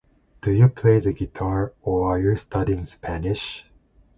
Do you play the guitar or are you studying Spanish?